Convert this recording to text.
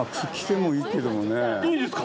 いいですか！